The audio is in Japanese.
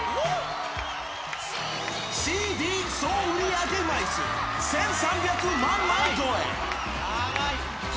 ＣＤ総売り上げ枚数１３００万枚超え。